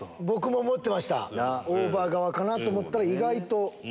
僕も思ってましたオーバー側かと思ったら意外と。